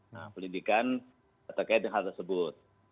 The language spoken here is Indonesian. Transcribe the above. menyelidikan hal tersebut